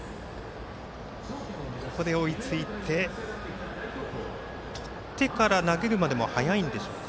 ここで追いついて、とってから投げるまでも速いんでしょうか。